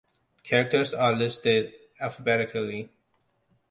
Characters are listed alphabetically.